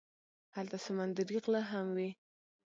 هلته سمندري غله هم وي.